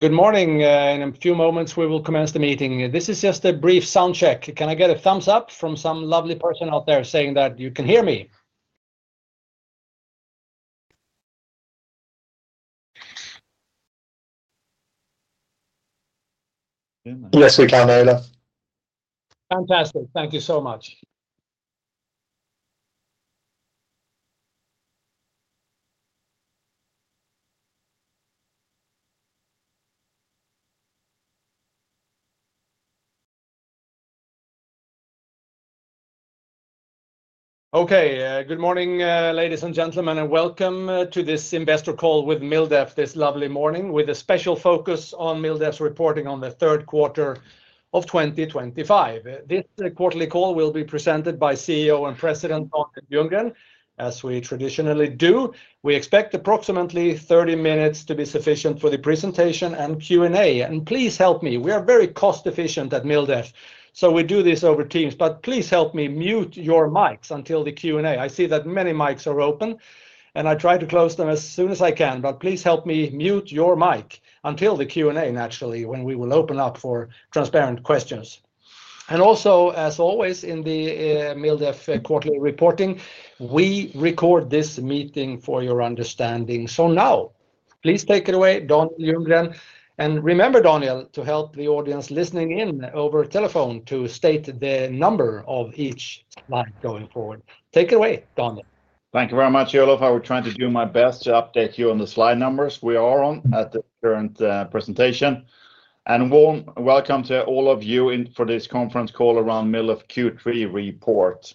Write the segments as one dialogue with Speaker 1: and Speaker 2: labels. Speaker 1: Good morning. In a few moments, we will commence the meeting. This is just a brief sound check. Can I get a thumbs up from some lovely person out there saying that you can hear me?
Speaker 2: Yes, we can, Olof.
Speaker 1: Fantastic. Thank you so much. Okay. Good morning, ladies and gentlemen, and welcome to this investor call with MilDef Group this lovely morning with a special focus on MilDef's reporting on the third quarter of 2025. This quarterly call will be presented by CEO and President Daniel Ljunggren, as we traditionally do. We expect approximately 30 minutes to be sufficient for the presentation and Q&A. Please help me. We are very cost-efficient at MilDef Group, so we do this over Teams. Please help me mute your mics until the Q&A. I see that many mics are open, and I try to close them as soon as I can. Please help me mute your mic until the Q&A, naturally, when we will open up for transparent questions. Also, as always, in the MilDef quarterly reporting, we record this meeting for your understanding. Now, please take it away, Daniel Ljunggren. Remember, Daniel, to help the audience listening in over the telephone to state the number of each slide going forward. Take it away, Daniel.
Speaker 2: Thank you very much, Olof. I will try to do my best to update you on the slide numbers we are on at the current presentation. A warm welcome to all of you for this conference call around MilDef Q3 report.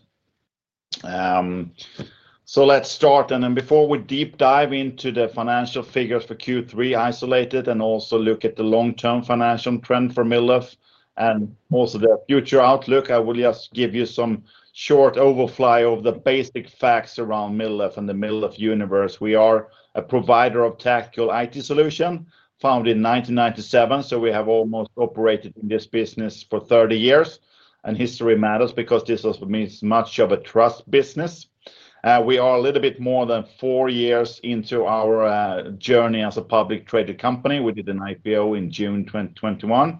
Speaker 2: Let's start. Before we deep dive into the financial figures for Q3, isolated, and also look at the long-term financial trend for MilDef and also the future outlook, I will just give you some short overfly of the basic facts around MilDef and the MilDef universe. We are a provider of tactical IT solutions founded in 1997, so we have almost operated in this business for 30 years. History matters because this also means much of a trust business. We are a little bit more than four years into our journey as a publicly traded company. We did an IPO in June 2021,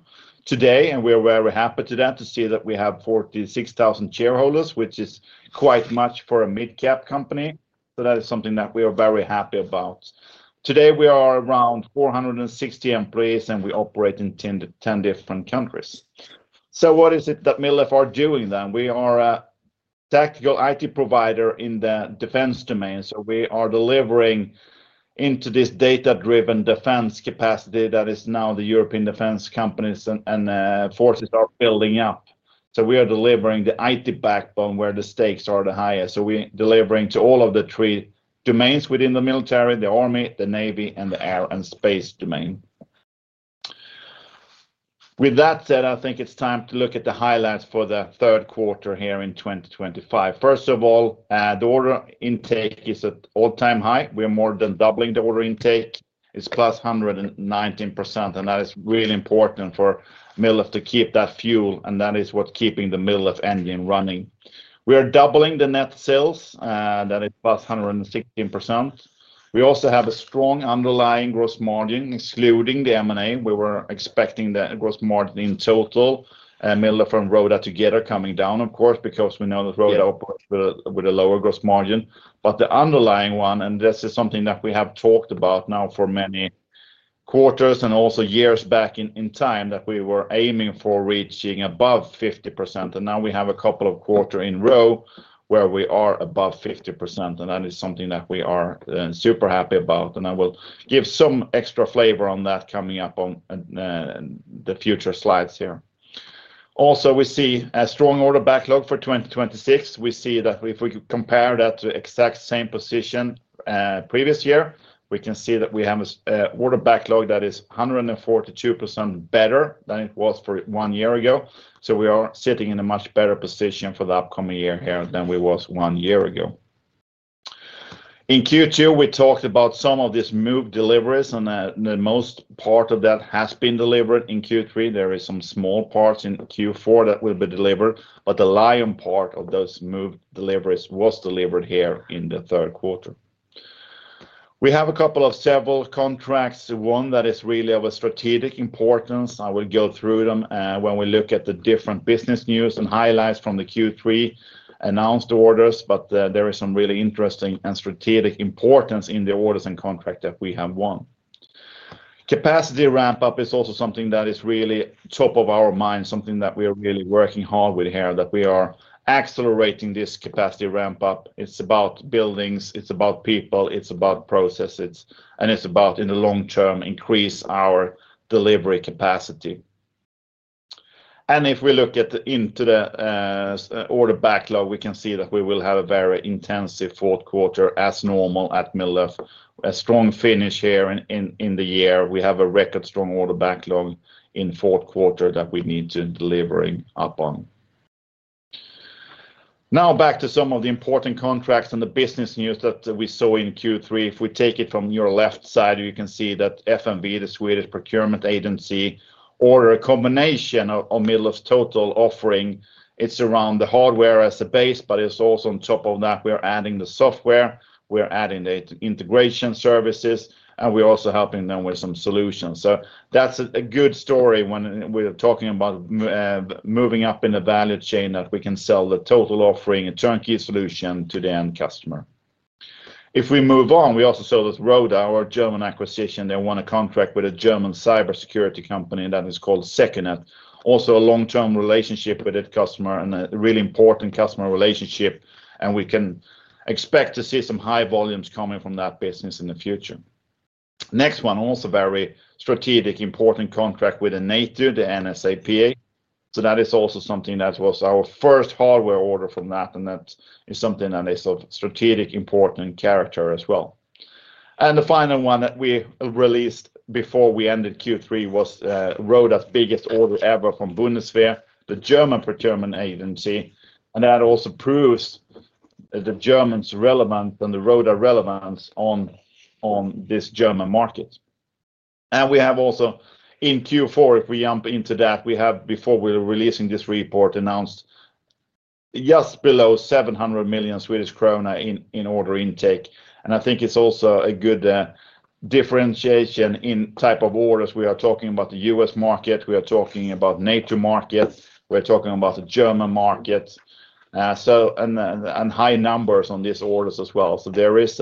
Speaker 2: and we are very happy to see that we have 46,000 shareholders, which is quite much for a mid-cap company. That is something that we are very happy about. Today, we are around 460 employees, and we operate in 10 different countries. What is it that MilDef is doing then? We are a tactical IT provider in the defense domain. We are delivering into this data-driven defense capacity that now the European defense companies and forces are building up. We are delivering the IT backbone where the stakes are the highest. We are delivering to all of the three domains within the military: the Army, the Navy, and the Air and Space domain. With that said, I think it's time to look at the highlights for the third quarter here in 2025. First of all, the order intake is at an all-time high. We are more than doubling the order intake. It's +119%, and that is really important for MilDef to keep that fuel. That is what's keeping the MilDef engine running. We are doubling the net sales. That is +116%. We also have a strong underlying gross margin, excluding the M&A. We were expecting that gross margin in total, MilDef and Roda together coming down, of course, because we know that Roda operates with a lower gross margin. The underlying one, and this is something that we have talked about now for many quarters and also years back in time, that we were aiming for reaching above 50%. Now we have a couple of quarters in a row where we are above 50%. That is something that we are super happy about. I will give some extra flavor on that coming up on the future slides here. Also, we see a strong order backlog for 2026. We see that if we compare that to the exact same position previous year, we can see that we have an order backlog that is 142% better than it was one year ago. We are sitting in a much better position for the upcoming year here than we were one year ago. In Q2, we talked about some of these moved deliveries, and the most part of that has been delivered in Q3. There are some small parts in Q4 that will be delivered, but the lion part of those moved deliveries was delivered here in the third quarter. We have a couple of several contracts, one that is really of a strategic importance. I will go through them when we look at the different business news and highlights from the Q3 announced orders. There is some really interesting and strategic importance in the orders and contracts that we have won. Capacity ramp-up is also something that is really top of our minds, something that we are really working hard with here, that we are accelerating this capacity ramp-up. It's about buildings, it's about people, it's about processes, and it's about, in the long term, increasing our delivery capacity. If we look into the order backlog, we can see that we will have a very intensive fourth quarter as normal at MilDef. A strong finish here in the year. We have a record strong order backlog in the fourth quarter that we need to deliver upon. Now back to some of the important contracts and the business news that we saw in Q3. If we take it from your left side, you can see that FMV, the Swedish procurement agency, ordered a combination of MilDef's total offering. It's around the hardware as a base, but it's also on top of that, we are adding the software, we are adding the integration services, and we are also helping them with some solutions. That's a good story when we are talking about moving up in the value chain that we can sell the total offering, a turnkey solution to the end customer. If we move on, we also saw that Roda, our German acquisition, won a contract with a German cybersecurity company that is called Secunet. Also a long-term relationship with that customer and a really important customer relationship. We can expect to see some high volumes coming from that business in the future. Next one, also a very strategic, important contract with NATO’s NSPA. That is also something that was our first hardware order from that, and that is something that is of strategic, important character as well. The final one that we released before we ended Q3 was Roda's biggest order ever from Bundeswehr, the German procurement agency. That also proves the Germans' relevance and Roda's relevance on this German market. We have also in Q4, if we jump into that, before we were releasing this report, announced just below 700 million Swedish krona in order intake. I think it's also a good differentiation in the type of orders. We are talking about the U.S. market, we are talking about NATO markets, we are talking about the German markets, and high numbers on these orders as well. There is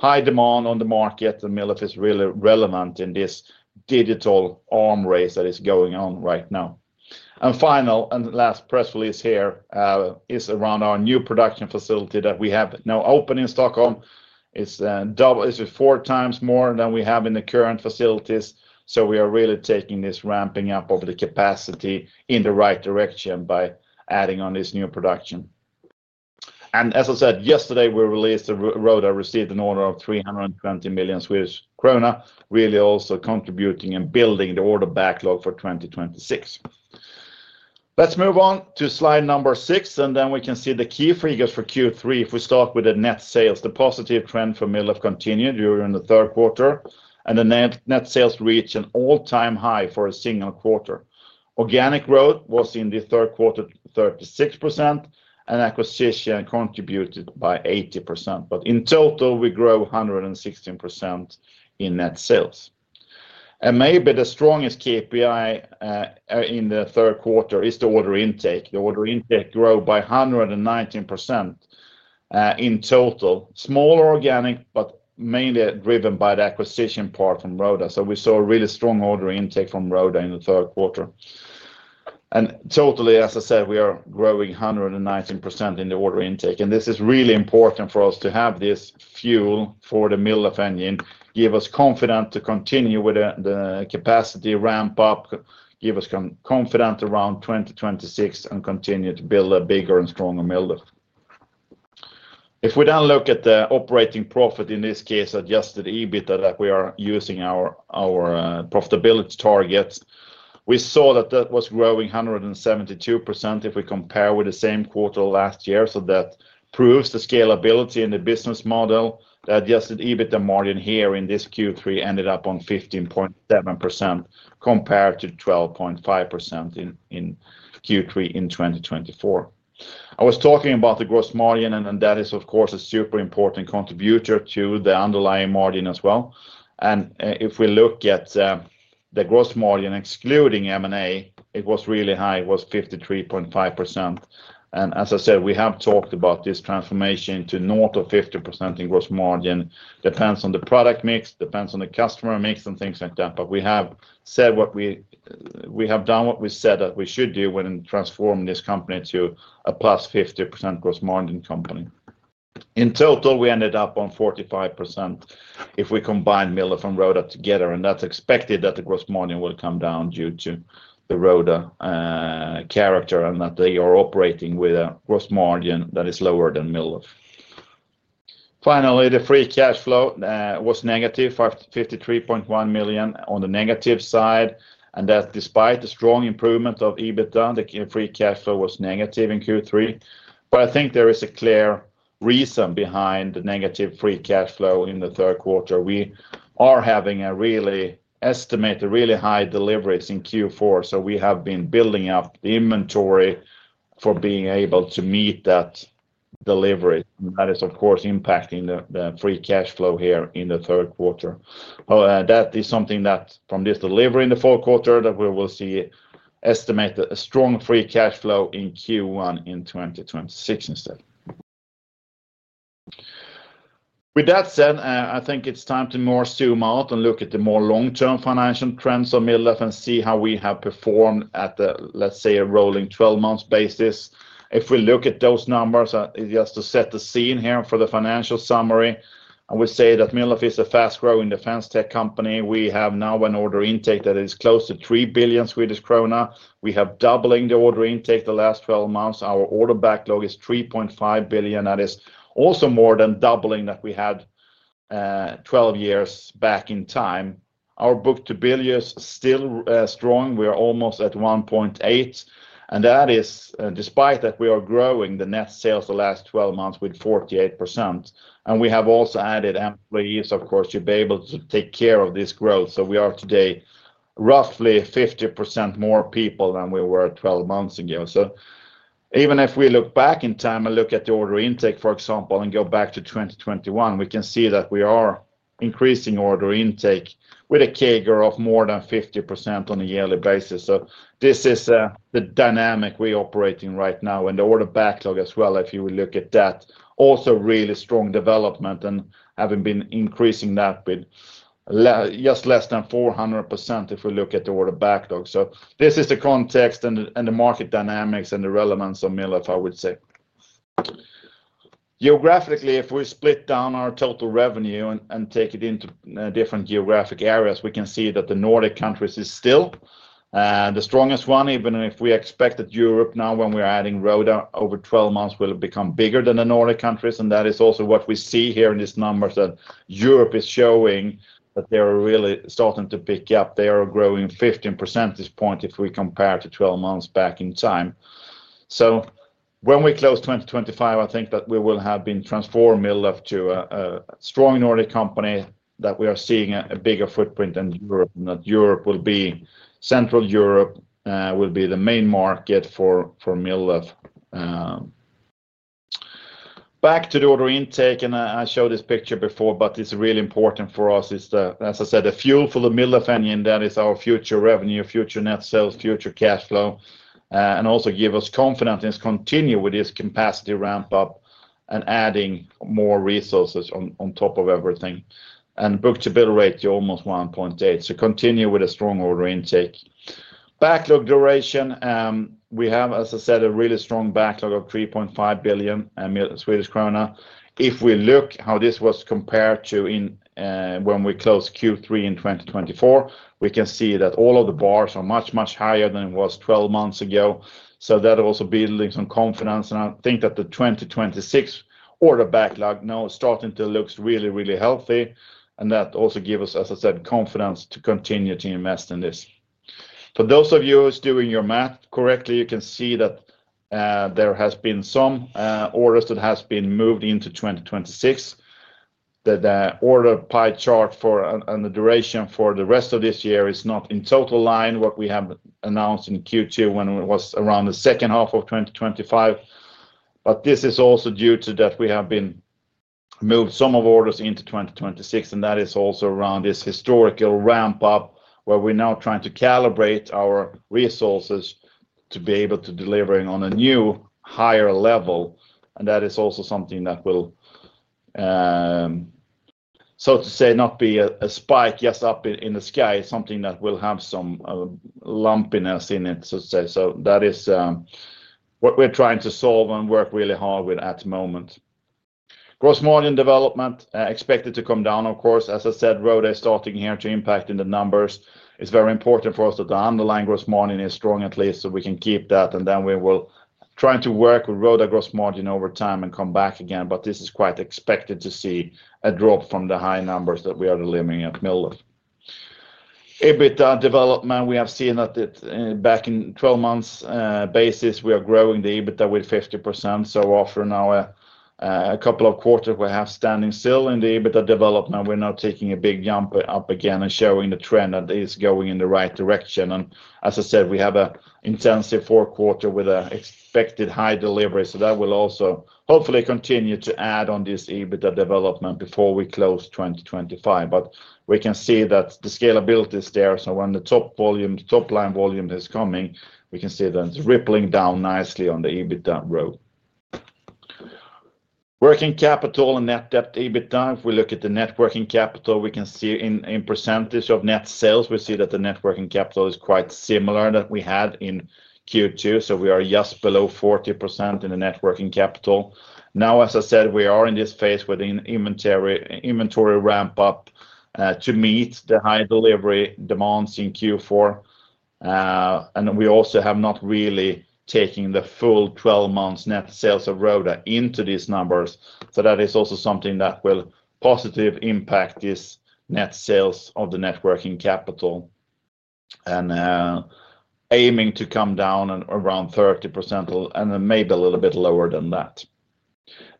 Speaker 2: a high demand on the market, and MilDef is really relevant in this digital arms race that is going on right now. The final and last press release here is around our new production facility that we have now opened in Stockholm. It's four times more than we have in the current facilities. We are really taking this ramping up of the capacity in the right direction by adding on this new production. As I said yesterday, we released that Roda received an order of 320 million Swedish krona, really also contributing and building the order backlog for 2026. Let's move on to slide number six, and then we can see the key figures for Q3. If we start with the net sales, the positive trend for MilDef continued during the third quarter, and the net sales reached an all-time high for a single quarter. Organic growth was in the third quarter 36%, and acquisition contributed by 80%. In total, we grow 116% in net sales. Maybe the strongest KPI in the third quarter is the order intake. The order intake grew by 119% in total. Smaller organic, but mainly driven by the acquisition part from Roda. We saw a really strong order intake from Roda in the third quarter. Totally, as I said, we are growing 119% in the order intake. This is really important for us to have this fuel for the MilDef engine, give us confidence to continue with the capacity ramp-up, give us confidence around 2026, and continue to build a bigger and stronger MilDef. If we then look at the operating profit, in this case, adjusted EBITDA that we are using for our profitability targets, we saw that that was growing 172% if we compare with the same quarter last year. That proves the scalability in the business model. The adjusted EBITDA margin here in this Q3 ended up on 15.7% compared to 12.5% in Q3 in 2024. I was talking about the gross margin, and that is, of course, a super important contributor to the underlying margin as well. If we look at the gross margin excluding M&A, it was really high. It was 53.5%. As I said, we have talked about this transformation to north of 50% in gross margin. It depends on the product mix, depends on the customer mix, and things like that. We have said what we have done, what we said that we should do when transforming this company to a +50% gross margin company. In total, we ended up on 45% if we combine MilDef and Roda together. That is expected, that the gross margin will come down due to the Roda character and that they are operating with a gross margin that is lower than MilDef. Finally, the free cash flow was negative, 53.1 million on the negative side. That is despite the strong improvement of EBITDA. The free cash flow was negative in Q3. I think there is a clear reason behind the negative free cash flow in the third quarter. We are having a really estimated, really high deliveries in Q4. We have been building up the inventory for being able to meet that delivery. That is, of course, impacting the free cash flow here in the third quarter. That is something that from this delivery in the fourth quarter that we will see estimated a strong free cash flow in Q1 in 2026 instead. With that said, I think it's time to more zoom out and look at the more long-term financial trends of MilDef and see how we have performed at the, let's say, a rolling 12-month basis. If we look at those numbers, just to set the scene here for the financial summary, I would say that MilDef is a fast-growing defense tech company. We have now an order intake that is close to 3 billion Swedish krona. We have doubled the order intake the last 12 months. Our order backlog is 3.5 billion. That is also more than doubling that we had 12 years back in time. Our book-to-bill is still strong. We are almost at 1.8. That is despite that we are growing the net sales the last 12 months with 48%. We have also added employees, of course, to be able to take care of this growth. We are today roughly 50% more people than we were 12 months ago. Even if we look back in time and look at the order intake, for example, and go back to 2021, we can see that we are increasing order intake with a CAGR of more than 50% on a yearly basis. This is the dynamic we are operating right now. The order backlog as well, if you look at that, also really strong development and having been increasing that with just less than 400% if we look at the order backlog. This is the context and the market dynamics and the relevance of MilDef, I would say. Geographically, if we split down our total revenue and take it into different geographic areas, we can see that the Nordic countries are still the strongest one, even if we expect that Europe now, when we are adding Roda over 12 months, will become bigger than the Nordic countries. That is also what we see here in these numbers, that Europe is showing that they are really starting to pick up. They are growing 15% at this point if we compare to 12 months back in time. When we close 2025, I think that we will have been transformed MilDef to a strong Nordic company that we are seeing a bigger footprint than Europe, and that Europe will be Central Europe will be the main market for MilDef. Back to the order intake, I showed this picture before, but it's really important for us. It's, as I said, the fuel for the MilDef engine. That is our future revenue, future net sales, future cash flow, and also gives us confidence to continue with this capacity ramp-up and adding more resources on top of everything. Book-to-bill rate to almost 1.8. Continue with a strong order intake. Backlog duration, we have, as I said, a really strong backlog of 3.5 billion Swedish krona. If we look at how this was compared to when we closed Q3 in 2024, we can see that all of the bars are much, much higher than it was 12 months ago. That also builds some confidence. I think that the 2026 order backlog now is starting to look really, really healthy. That also gives us, as I said, confidence to continue to invest in this. For those of you who are doing your math correctly, you can see that there have been some orders that have been moved into 2026. The order pie chart for the duration for the rest of this year is not in total line with what we have announced in Q2 when it was around the second half of 2025. This is also due to that we have been moved some of the orders into 2026. That is also around this historical ramp-up where we're now trying to calibrate our resources to be able to deliver on a new higher level. That is also something that will, so to say, not be a spike just up in the sky. It's something that will have some lumpiness in it, so to say. That is what we're trying to solve and work really hard with at the moment. Gross margin development expected to come down, of course. As I said, Roda is starting here to impact in the numbers. It's very important for us that the underlying gross margin is strong at least so we can keep that. We will try to work with Roda gross margin over time and come back again. This is quite expected to see a drop from the high numbers that we are delivering at MilDef. EBITDA development, we have seen that back in a 12-month basis, we are growing the EBITDA with 50%. After now a couple of quarters, we have standing still in the EBITDA development. We're now taking a big jump up again and showing the trend that is going in the right direction. As I said, we have an intensive fourth quarter with an expected high delivery. That will also hopefully continue to add on this EBITDA development before we close 2025. We can see that the scalability is there. When the top volume, the top line volume is coming, we can see that it's rippling down nicely on the EBITDA row. Working capital and net debt EBITDA. If we look at the networking capital, we can see in percentage of net sales, we see that the networking capital is quite similar to what we had in Q2. We are just below 40% in the networking capital. Now, as I said, we are in this phase with an inventory ramp-up to meet the high delivery demands in Q4. We also have not really taken the full 12 months net sales of Roda into these numbers. That is also something that will positively impact these net sales of the networking capital and aiming to come down around 30% and maybe a little bit lower than that.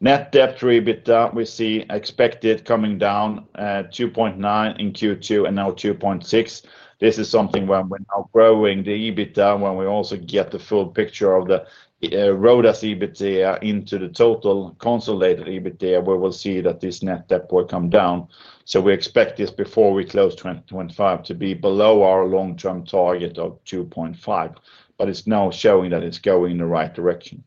Speaker 2: Net debt EBITDA, we see expected coming down 2.9% in Q2 and now 2.6%. This is something when we're now growing the EBITDA, when we also get the full picture of Roda's EBITDA into the total consolidated EBITDA, we will see that this net debt will come down. We expect this before we close 2025 to be below our long-term target of 2.5%. It's now showing that it's going in the right direction.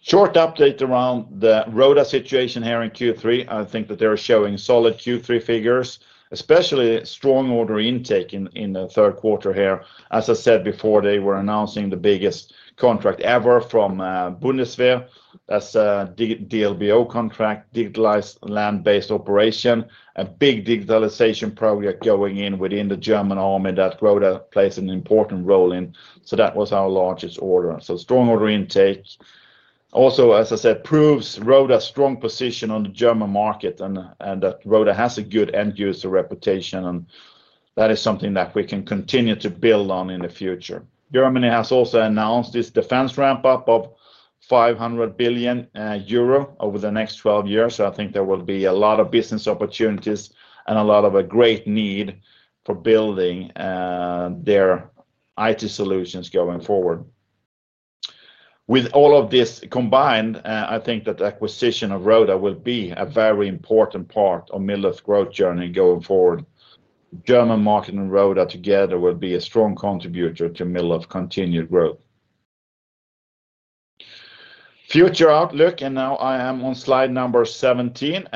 Speaker 2: Short update around the Roda situation here in Q3. I think that they're showing solid Q3 figures, especially strong order intake in the third quarter here. As I said before, they were announcing the biggest contract ever from Bundeswehr. That's a DLBO contract, digitalized land-based operation, a big digitalization project going in within the German Army that Roda plays an important role in. That was our largest order. Strong order intake also, as I said, proves Roda's strong position on the German market and that Roda has a good end-user reputation. That is something that we can continue to build on in the future. Germany has also announced this defense ramp-up of 500 billion euro over the next 12 years. I think there will be a lot of business opportunities and a lot of great need for building their IT solutions going forward. With all of this combined, I think that the acquisition of Roda will be a very important part of MilDef's growth journey going forward. The German market and Roda together will be a strong contributor to MilDef's continued growth. Future outlook, and now I am on slide number 17,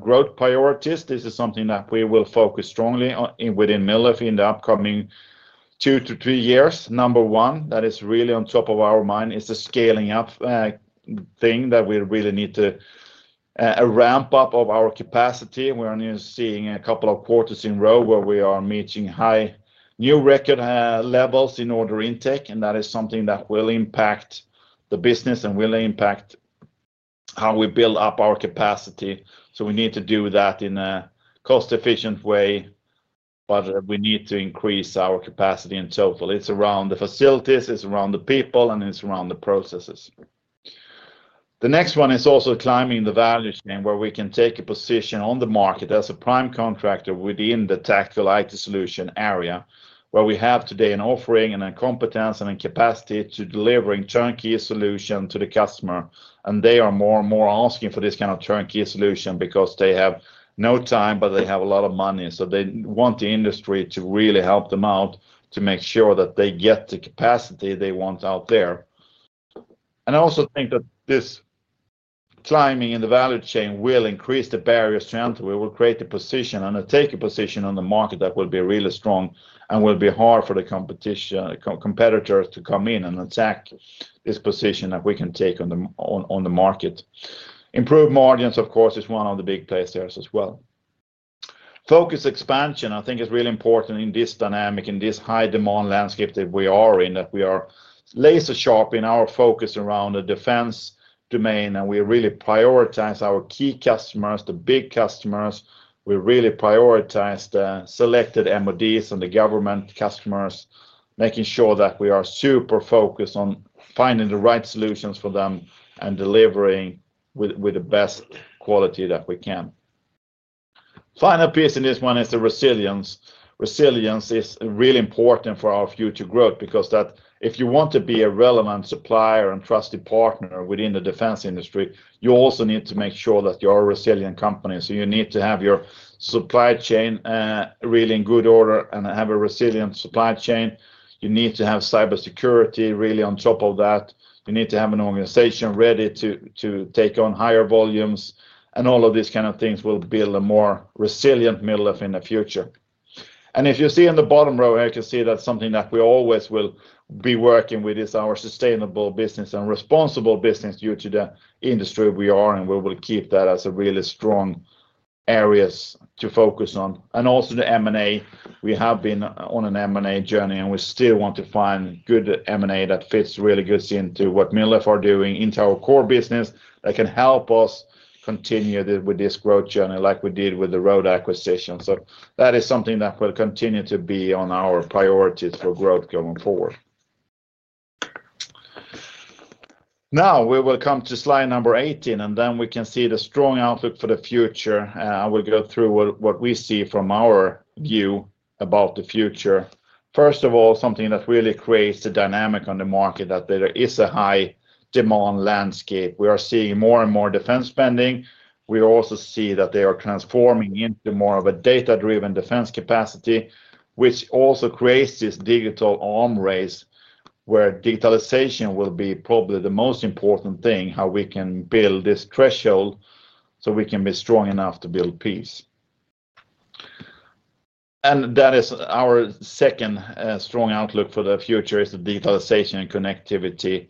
Speaker 2: growth priorities. This is something that we will focus strongly on within MilDef in the upcoming two to three years. Number one that is really on top of our mind is the scaling up thing that we really need to ramp up our capacity. We are seeing a couple of quarters in a row where we are reaching high new record levels in order intake. That is something that will impact the business and will impact how we build up our capacity. We need to do that in a cost-efficient way, but we need to increase our capacity in total. It's around the facilities, it's around the people, and it's around the processes. The next one is also climbing the value chain where we can take a position on the market as a prime contractor within the tactical IT solution area where we have today an offering and a competence and a capacity to deliver a turnkey solution to the customer. They are more and more asking for this kind of turnkey solution because they have no time, but they have a lot of money. They want the industry to really help them out to make sure that they get the capacity they want out there. I also think that this climbing in the value chain will increase the barriers to entry. It will create a position and take a position on the market that will be really strong and will be hard for the competitors to come in and attack this position that we can take on the market. Improved margins, of course, is one of the big players as well. Focused expansion, I think, is really important in this dynamic, in this high-demand landscape that we are in, that we are laser-sharp in our focus around the defense domain. We really prioritize our key customers, the big customers. We really prioritize the selected MODs and the government customers, making sure that we are super focused on finding the right solutions for them and delivering with the best quality that we can. The final piece in this one is the resilience. Resilience is really important for our future growth because if you want to be a relevant supplier and trusted partner within the defense industry, you also need to make sure that you are a resilient company. You need to have your supply chain really in good order and have a resilient supply chain. You need to have cybersecurity really on top of that. You need to have an organization ready to take on higher volumes. All of these kinds of things will build a more resilient MilDef in the future. If you see in the bottom row, you can see that something that we always will be working with is our sustainable business and responsible business due to the industry we are. We will keep that as a really strong area to focus on. Also the M&A. We have been on an M&A journey, and we still want to find good M&A that fits really good into what MilDef is doing into our core business that can help us continue with this growth journey like we did with the Roda acquisition. That is something that will continue to be on our priorities for growth going forward. Now we will come to slide number 18, and then we can see the strong outlook for the future. I will go through what we see from our view about the future. First of all, something that really creates a dynamic on the market that there is a high-demand landscape. We are seeing more and more defense spending. We also see that they are transforming into more of a data-driven defense capacity, which also creates this digital arm race where digitalization will be probably the most important thing, how we can build this threshold so we can be strong enough to build peace. That is our second strong outlook for the future, the digitalization and connectivity.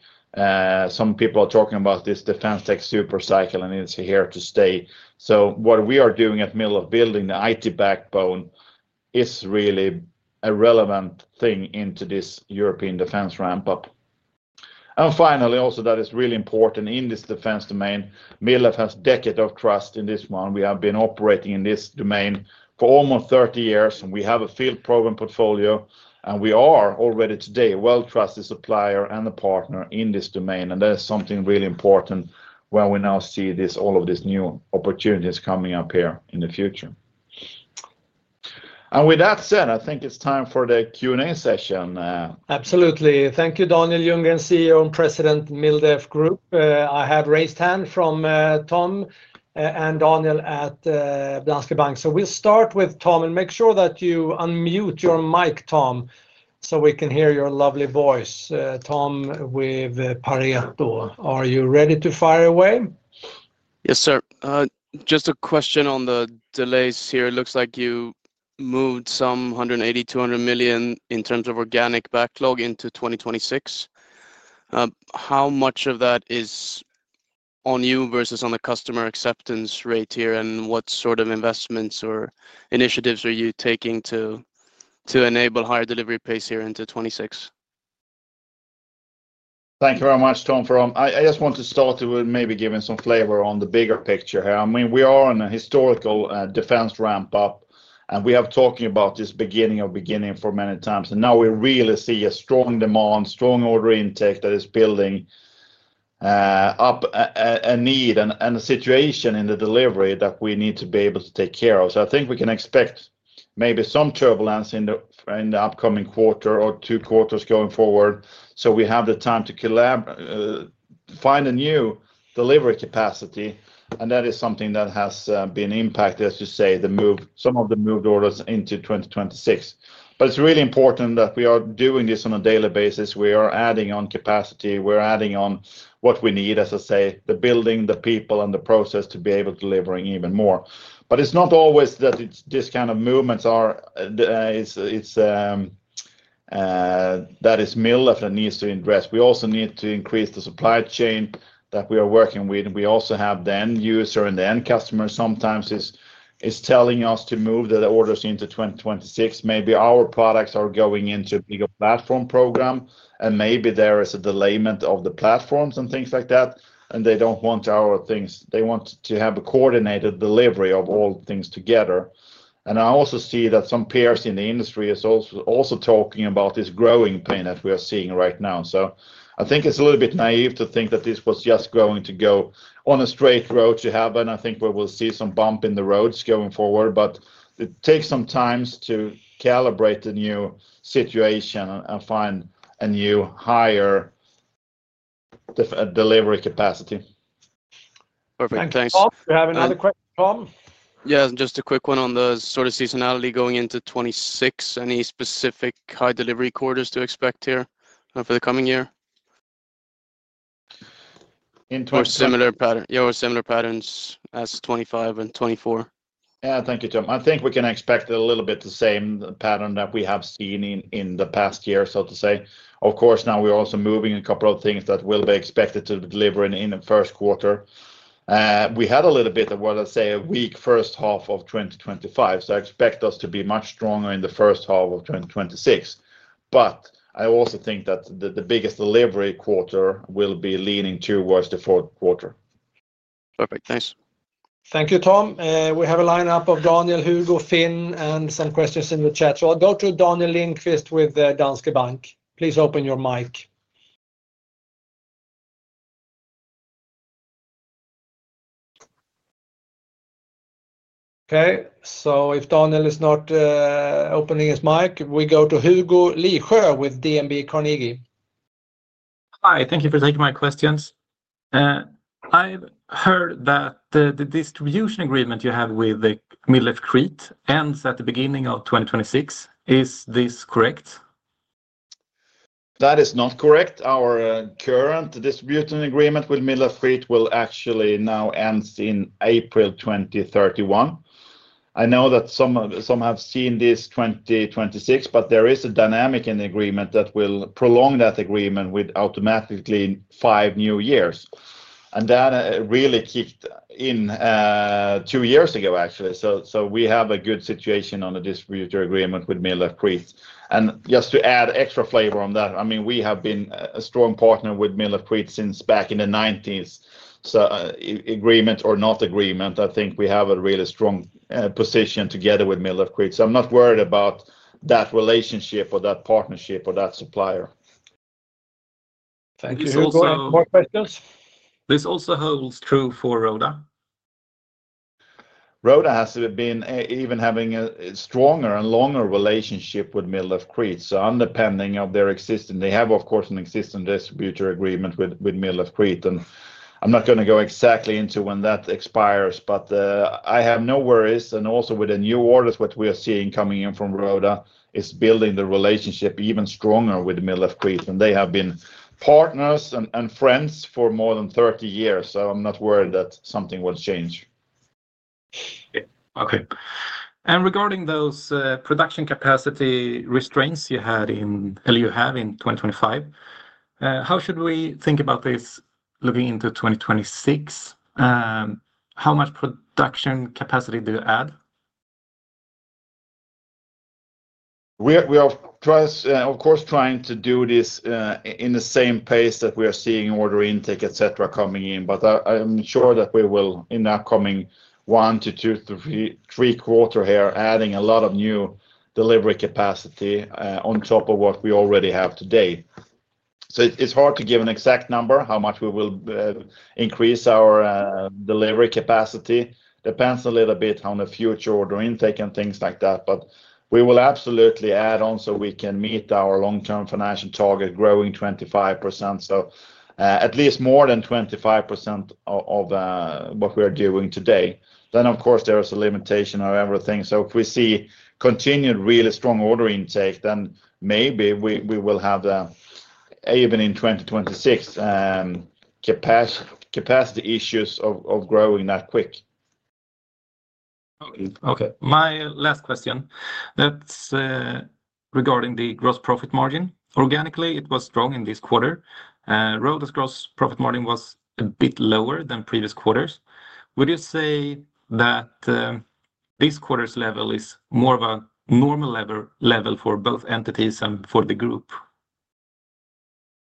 Speaker 2: Some people are talking about this defense tech supercycle, and it's here to stay. What we are doing at MilDef, building the IT backbone, is really a relevant thing into this European defense ramp-up. Finally, also that is really important in this defense domain. MilDef has a decade of trust in this one. We have been operating in this domain for almost 30 years. We have a field program portfolio, and we are already today a well-trusted supplier and a partner in this domain. That is something really important where we now see all of these new opportunities coming up here in the future. With that said, I think it's time for the Q&A session.
Speaker 1: Absolutely. Thank you, Daniel Ljunggren, CEO and President of MilDef Group. I have raised hands from Tom and Daniel at Danske Bank. We'll start with Tom and make sure that you unmute your mic, Tom, so we can hear your lovely voice. Tom with Pareto, are you ready to fire away?
Speaker 3: Yes, sir. Just a question on the delays here. It looks like you moved some 180 million-200 million in terms of organic backlog into 2026. How much of that is on you versus on the customer acceptance rate here? What sort of investments or initiatives are you taking to enable a higher delivery pace here into 2026?
Speaker 2: Thank you very much, Tom. I just want to start with maybe giving some flavor on the bigger picture here. I mean, we are in a historical defense ramp-up, and we have been talking about this beginning of beginning for many times. Now we really see a strong demand, strong order intake that is building up a need and a situation in the delivery that we need to be able to take care of. I think we can expect maybe some turbulence in the upcoming quarter or two quarters going forward. We have the time to find a new delivery capacity. That is something that has been impacted, as you say, some of the moved orders into 2026. It's really important that we are doing this on a daily basis. We are adding on capacity. We're adding on what we need, as I say, the building, the people, and the process to be able to deliver even more. It's not always that these kinds of movements are that it's MilDef that needs to address. We also need to increase the supply chain that we are working with. We also have the end user and the end customer sometimes is telling us to move the orders into 2026. Maybe our products are going into a bigger platform program, and maybe there is a delayment of the platforms and things like that. They don't want our things. They want to have a coordinated delivery of all things together. I also see that some peers in the industry are also talking about this growing pain that we are seeing right now. I think it's a little bit naive to think that this was just going to go on a straight road to heaven. I think we will see some bump in the roads going forward, but it takes some time to calibrate the new situation and find a new higher delivery capacity.
Speaker 3: Perfect. Thanks.
Speaker 1: Thank you, Tom. Do you have another question, Tom?
Speaker 3: Yeah, just a quick one on the sort of seasonality going into 2026. Any specific high delivery quarters to expect here for the coming year? Or similar patterns as 2025 and 2024?
Speaker 2: Yeah, thank you, Tom. I think we can expect a little bit the same pattern that we have seen in the past year, so to say. Of course, now we're also moving a couple of things that will be expected to deliver in the first quarter. We had a little bit of, what I say, a weak first half of 2025. I expect us to be much stronger in the first half of 2026. I also think that the biggest delivery quarter will be leaning towards the fourth quarter.
Speaker 3: Perfect. Thanks.
Speaker 1: Thank you, Tom. We have a lineup of Daniel, Hugo, Finn, and some questions in the chat. I'll go to Daniel Lindkvist with Danske Bank. Please open your mic. If Daniel is not opening his mic, we go to Hugo Lisjö with DNB Carnegie.
Speaker 4: Hi. Thank you for taking my questions. I've heard that the distribution agreement you have with MilDef Crete ends at the beginning of 2026. Is this correct?
Speaker 2: That is not correct. Our current distribution agreement with MilDef Crete will actually now end in April 2031. I know that some have seen this 2026, but there is a dynamic in the agreement that will prolong that agreement with automatically five new years. That really kicked in two years ago, actually. We have a good situation on the distributor agreement with MilDef Crete. Just to add extra flavor on that, I mean, we have been a strong partner with MilDef Crete since back in the '90s. Agreement or not agreement, I think we have a really strong position together with MilDef Crete. I'm not worried about that relationship or that partnership or that supplier. Thank you.
Speaker 1: Hugo. You have more questions?
Speaker 5: This also holds true for Roda.
Speaker 2: Roda has been even having a stronger and longer relationship with MilDef Crete. Underpinning of their existence, they have, of course, an existing distributor agreement with MilDef Crete. I'm not going to go exactly into when that expires, but I have no worries. With the new orders, what we are seeing coming in from Roda is building the relationship even stronger with MilDef Crete. They have been partners and friends for more than 30 years. I'm not worried that something will change.
Speaker 5: Okay. Regarding those production capacity restraints you had in 2025, how should we think about this looking into 2026? How much production capacity do you add?
Speaker 2: We are, of course, trying to do this in the same pace that we are seeing order intake, etc., coming in. I'm sure that we will, in the upcoming one to two, three quarters here, add a lot of new delivery capacity on top of what we already have today. It's hard to give an exact number how much we will increase our delivery capacity. It depends a little bit on the future order intake and things like that. We will absolutely add on so we can meet our long-term financial target growing 25%. At least more than 25% of what we are doing today. Of course, there is a limitation on everything. If we see continued really strong order intake, maybe we will have even in 2026 capacity issues of growing that quick.
Speaker 5: Okay. My last question, that's regarding the gross margin. Organically, it was strong in this quarter. Roda's gross margin was a bit lower than previous quarters. Would you say that this quarter's level is more of a normal level for both entities and for the group?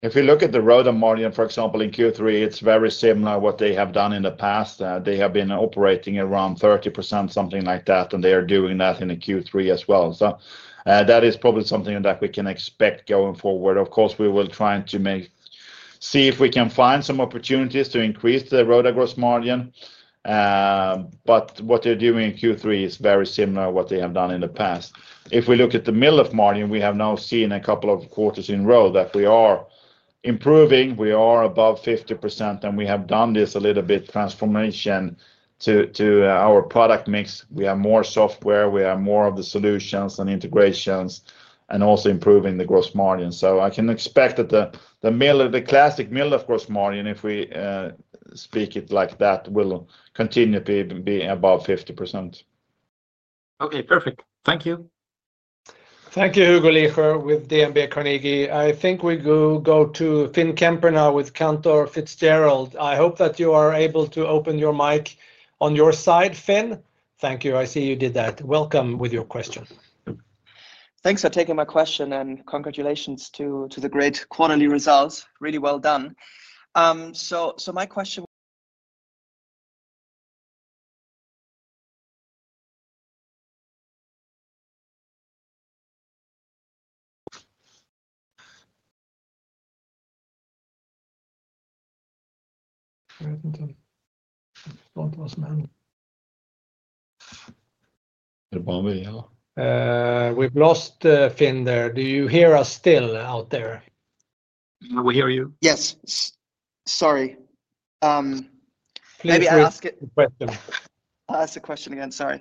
Speaker 2: If we look at the Roda margin, for example, in Q3, it's very similar to what they have done in the past. They have been operating around 30%, something like that, and they are doing that in Q3 as well. That is probably something that we can expect going forward. Of course, we will try to see if we can find some opportunities to increase the Roda gross margin. What they're doing in Q3 is very similar to what they have done in the past. If we look at the MilDef margin, we have now seen a couple of quarters in a row that we are improving. We are above 50%, and we have done this a little bit transformation to our product mix. We have more software. We have more of the solutions and integrations and also improving the gross margin. I can expect that the classic MilDef gross margin, if we speak it like that, will continue to be above 50%.
Speaker 5: Okay. Perfect. Thank you.
Speaker 1: Thank you, Hugo Liesjö with DNB Carnegie. I think we go to Finn Kemper now with Cantor Fitzgerald. I hope that you are able to open your mic on your side, Finn. Thank you. I see you did that. Welcome with your question.
Speaker 6: Thanks for taking my question and congratulations to the great quarterly results. Really well done. My question...
Speaker 1: We've lost Finn there. Do you hear us still out there?
Speaker 5: We hear you.
Speaker 6: Yes. Sorry.
Speaker 1: Please ask the question.
Speaker 6: I'll ask the question again. Sorry.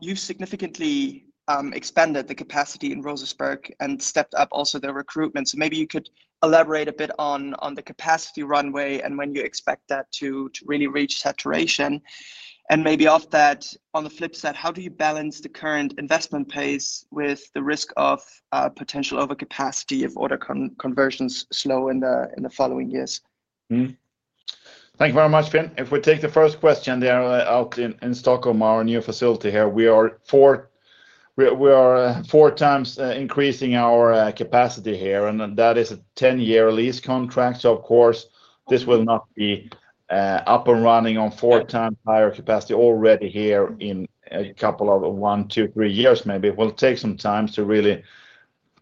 Speaker 6: You've significantly expanded the capacity in Rosasburg and stepped up also the recruitment. Maybe you could elaborate a bit on the capacity runway and when you expect that to really reach saturation. Maybe off that, on the flip side, how do you balance the current investment pace with the risk of potential overcapacity if order conversions slow in the following years?
Speaker 2: Thank you very much, Finn. If we take the first question, they are out in Stockholm, our new facility here. We are four times increasing our capacity here, and that is a 10-year lease contract. Of course, this will not be up and running on four times higher capacity already here in a couple of one, two, three years, maybe. It will take some time to really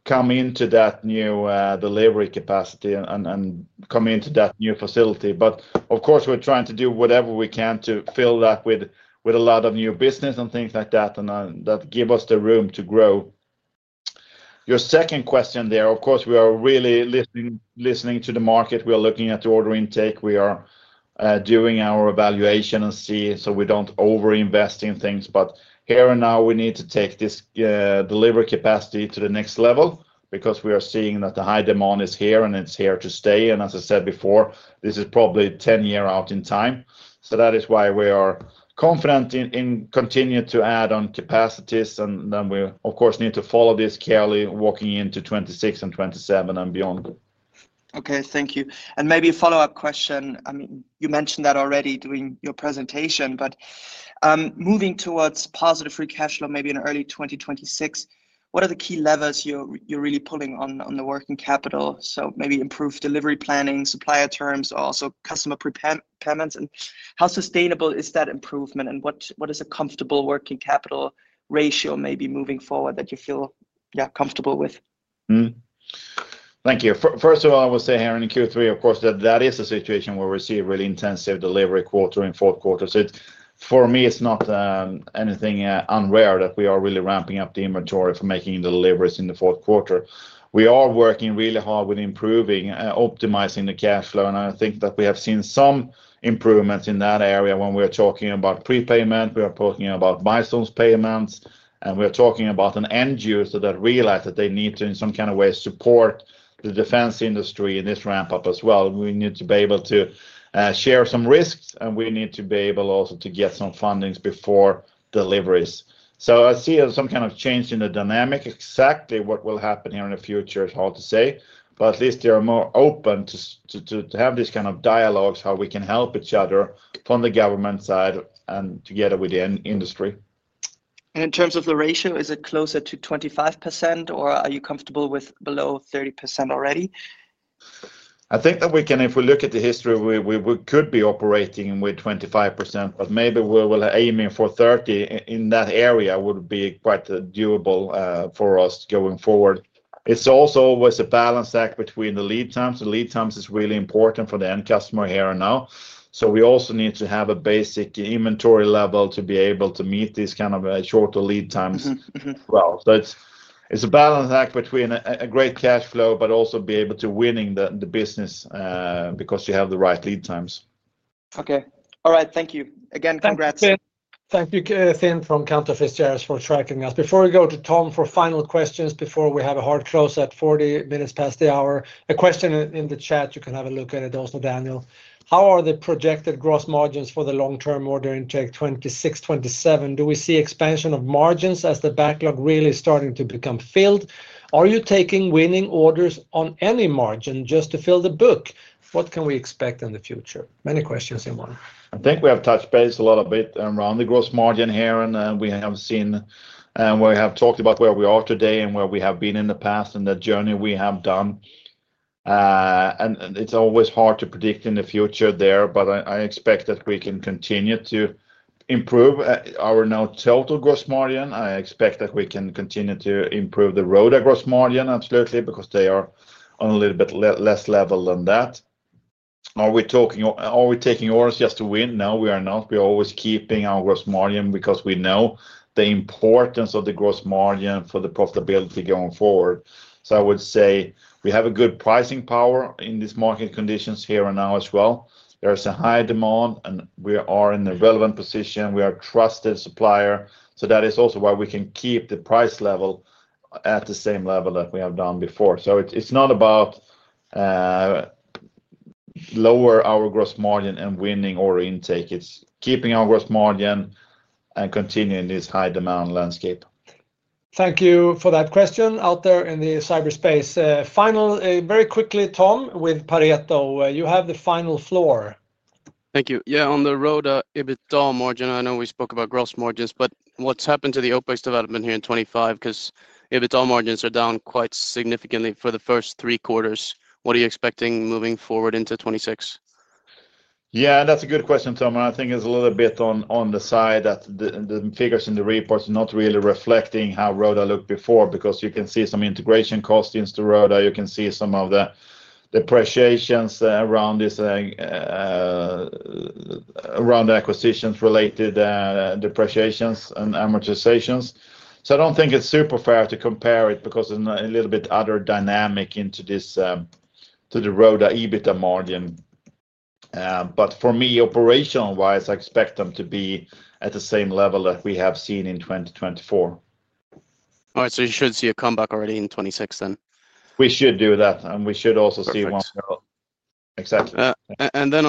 Speaker 2: come into that new delivery capacity and come into that new facility. Of course, we're trying to do whatever we can to fill that with a lot of new business and things like that, and that gives us the room to grow. Your second question there, of course, we are really listening to the market. We are looking at the order intake. We are doing our evaluation and see so we don't overinvest in things. Here and now, we need to take this delivery capacity to the next level because we are seeing that the high demand is here and it's here to stay. As I said before, this is probably a 10-year out in time. That is why we are confident in continuing to add on capacities. We, of course, need to follow this carefully walking into 2026 and 2027 and beyond.
Speaker 6: Okay. Thank you. Maybe a follow-up question. You mentioned that already during your presentation, but moving towards positive free cash flow, maybe in early 2026, what are the key levers you're really pulling on the working capital? Maybe improved delivery planning, supplier terms, or also customer prepayments. How sustainable is that improvement? What is a comfortable working capital ratio moving forward that you feel comfortable with?
Speaker 2: Thank you. First of all, I will say here in Q3, of course, that is a situation where we see a really intensive delivery quarter in the fourth quarter. For me, it's not anything unrare that we are really ramping up the inventory for making deliveries in the fourth quarter. We are working really hard with improving, optimizing the cash flow. I think that we have seen some improvements in that area when we are talking about prepayment. We are talking about milestone payments. We are talking about an end user that realizes that they need to, in some kind of way, support the defense industry in this ramp-up as well. We need to be able to share some risks, and we need to be able also to get some funding before deliveries. I see some kind of change in the dynamic. Exactly what will happen here in the future is hard to say. At least they are more open to have these kinds of dialogues, how we can help each other from the government side and together with the industry.
Speaker 6: In terms of the ratio, is it closer to 25%, or are you comfortable with below 30% already?
Speaker 2: I think that we can, if we look at the history, we could be operating with 25%, but maybe we will aim for 30% in that area would be quite doable for us going forward. It's also always a balance act between the lead times. The lead times are really important for the end customer here and now. We also need to have a basic inventory level to be able to meet these kinds of shorter lead times as well. It's a balance act between a great cash flow, but also be able to win the business because you have the right lead times.
Speaker 6: Okay. All right. Thank you again. Congrats.
Speaker 1: Thank you, Finn, from Cantor Fitzgerald for tracking us. Before we go to Tom for final questions, before we have a hard close at 40 minutes past the hour, a question in the chat. You can have a look at it also, Daniel. How are the projected gross margins for the long-term order intake 2026, 2027? Do we see expansion of margins as the backlog really is starting to become filled? Are you taking winning orders on any margin just to fill the book? What can we expect in the future? Many questions in one.
Speaker 2: I think we have touched base a little bit around the gross margin here, and we have seen where we have talked about where we are today and where we have been in the past and the journey we have done. It's always hard to predict in the future there, but I expect that we can continue to improve our now total gross margin. I expect that we can continue to improve the Roda gross margin, absolutely, because they are on a little bit less level than that. Are we taking orders just to win? No, we are not. We are always keeping our gross margin because we know the importance of the gross margin for the profitability going forward. I would say we have a good pricing power in these market conditions here and now as well. There is a high demand, and we are in a relevant position. We are a trusted supplier. That is also why we can keep the price level at the same level that we have done before. It's not about lowering our gross margin and winning order intake. It's keeping our gross margin and continuing this high-demand landscape.
Speaker 1: Thank you for that question out there in the cyberspace. Finally, very quickly, Tom with Pareto, you have the final floor.
Speaker 3: Thank you. Yeah, on the Roda EBITDA margin, I know we spoke about gross margins, but what's happened to the OpEx development here in 2025? Because EBITDA margins are down quite significantly for the first three quarters. What are you expecting moving forward into 2026?
Speaker 2: Yeah, that's a good question, Tom. I think it's a little bit on the side that the figures in the reports are not really reflecting how Roda looked before, because you can see some integration costs into Roda. You can see some of the depreciations around acquisitions-related depreciations and amortizations. I don't think it's super fair to compare it because it's a little bit other dynamic into the Roda EBITDA margin. For me, operational-wise, I expect them to be at the same level that we have seen in 2024.
Speaker 3: All right. You should see a comeback already in 2026 then?
Speaker 2: We should do that. We should also see one. Exactly.
Speaker 3: On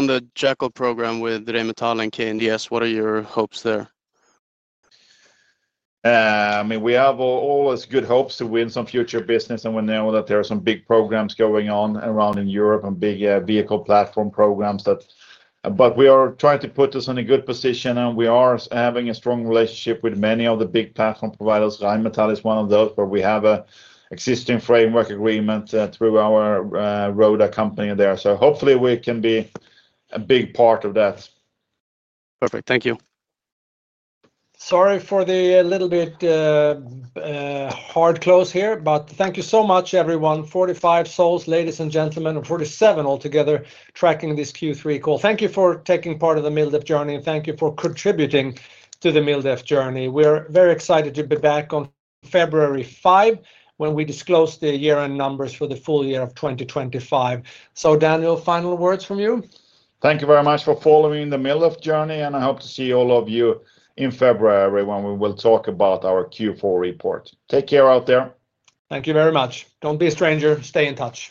Speaker 3: the JACO program with Rheinmetall and KNDS, what are your hopes there?
Speaker 2: We have always good hopes to win some future business. We know that there are some big programs going on around in Europe and big vehicle platform programs. We are trying to put us in a good position. We are having a strong relationship with many of the big platform providers. Rheinmetall is one of those, and we have an existing framework agreement through our Roda company there. Hopefully, we can be a big part of that.
Speaker 3: Perfect. Thank you.
Speaker 1: Sorry for the little bit hard close here, but thank you so much, everyone. 45 souls, ladies and gentlemen, or 47 altogether tracking this Q3 call. Thank you for taking part in the MilDef journey, and thank you for contributing to the MilDef journey. We're very excited to be back on February 5 when we disclose the year-end numbers for the full year of 2025. Daniel, final words from you?
Speaker 2: Thank you very much for following the MilDef journey. I hope to see all of you in February when we will talk about our Q4 report. Take care out there.
Speaker 1: Thank you very much. Don't be a stranger. Stay in touch.